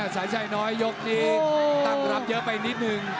สายชัยน้อยยกนี้ตั้งรับเยอะไปนิดนึง